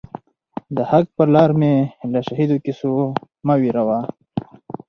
د حق پر لار می له شهیدو کیسو مه وېروه